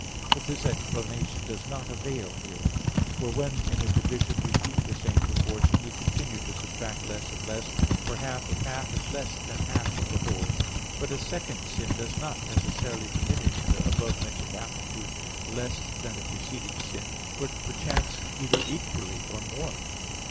But this explanation does not avail here. For when in a division we keep the same proportion, we continue to subtract less and less; for half of half is less than half of the whole. But a second sin does not necessarily diminish the above mentioned aptitude less than a preceding sin, but perchance either equally or more.